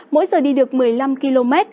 mỗi giờ đi được một mươi năm km